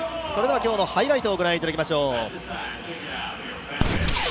今日のハイライトをご覧いただきましょう。